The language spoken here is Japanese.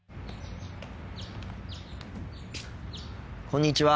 こんにちは。